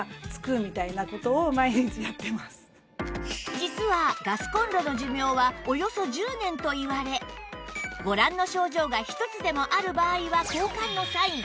実はガスコンロの寿命はおよそ１０年といわれご覧の症状が１つでもある場合は交換のサイン